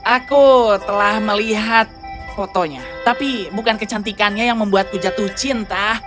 aku telah melihat fotonya tapi bukan kecantikannya yang membuatku jatuh cinta